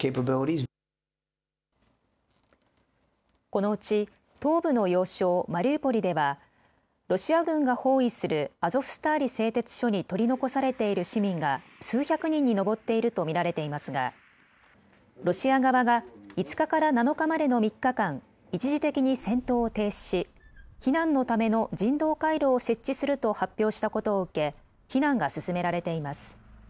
このうち東部の要衝マリウポリではロシア軍が包囲するアゾフスターリ製鉄所に取り残されている市民が数百人に上っていると見られていますがロシア側が５日から７日までの３日間、一時的に戦闘を停止し避難のための人道回廊を設置すると発表したことを受け避難が進められています。